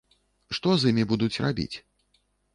Што з імі будуць рабіць?